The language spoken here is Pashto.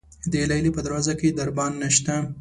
د لیلې په دروازه کې دربان نشته.